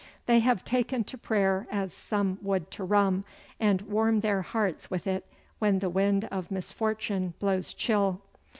They have taken to prayer as some would to rum, and warm their hearts with it when the wind of misfortune blows chill.